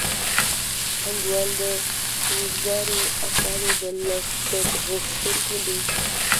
پانګوال د وزګارو افرادو د لښکر غوښتونکي دي